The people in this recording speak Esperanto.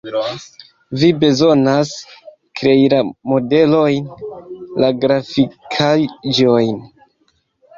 Vi bezonas krei la modelojn, la grafikaĵojn